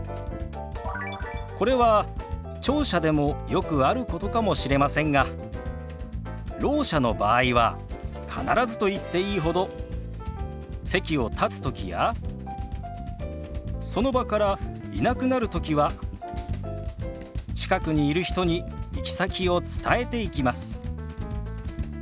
これは聴者でもよくあることかもしれませんがろう者の場合は必ずと言っていいほど席を立つときやその場からいなくなるときは近くにいる人に行き先を伝えていきます。